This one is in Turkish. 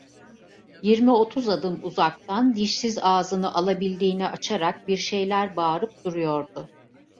Yirmi otuz adım uzaktan, dişsiz ağzını alabildiğine açarak, bir şeyler bağırıp duruyordu.